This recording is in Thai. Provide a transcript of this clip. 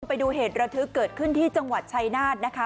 ไปดูเหตุระทึกเกิดขึ้นที่จังหวัดชายนาฏนะคะ